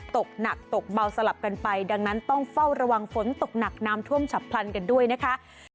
ตกหนักตกเบาสลับกันไปดังนั้นต้องเฝ้าระวังฝนตกหนักน้ำท่วมฉับพลันกันด้วยนะคะ